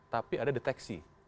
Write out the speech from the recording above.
tapi ada deteksi